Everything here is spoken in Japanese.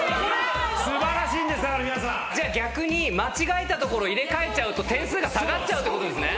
じゃあ逆に間違えたところ入れ替えちゃうと点数が下がっちゃうってことですね。